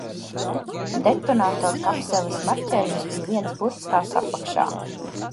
Detonatorkapseles marķējums bija viens burts tās apakšā.